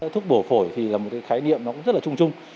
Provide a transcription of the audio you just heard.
thuốc bổ phổi là một khái niệm rất trung trung